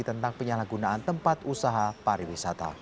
tentang penyalahgunaan tempat usaha pariwisata